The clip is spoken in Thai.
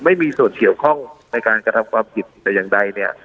ไม่มีส่วนเกี่ยวข้องในการกระทำความผิดแต่อย่างใดเนี่ย